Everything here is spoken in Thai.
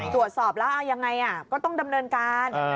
ตรวจสอบแล้วเอายังไงก็ต้องดำเนินการ